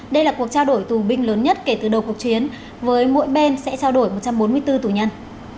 đây là cuộc trao đổi tù binh lớn nhất kể từ đầu cuộc chiến với mỗi bên sẽ trao đổi một trăm bốn mươi bốn tù nhân